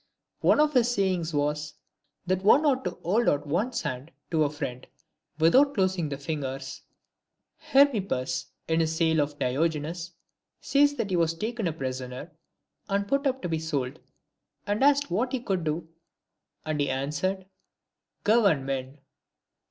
One of his sayings was, " That one ought to hold out one's hand to a friend without closing the fingers." Hermippus, in his Sale of Diogenes, says that he was taken prisoner and put up to be sold, and asked what he could do ; and he answered, " Govern men."